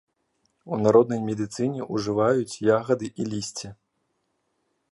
У народнай медыцыне ўжываюць ягады і лісце.